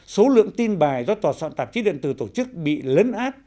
số lượng tin bài do tòa soạn tạp chí điện tử tổ chức bị lấn át